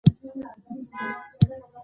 مينه له سترګو شروع کیږی